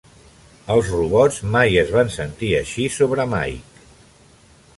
Els robots mai es van sentir així sobre Mike.